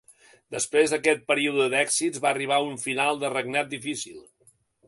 Després d'aquest període d'èxits va arribar un final de regnat difícil.